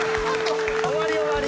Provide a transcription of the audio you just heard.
終わり終わり。